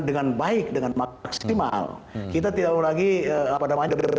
dengan baik dengan maksimal kita tidak lagi apa namanya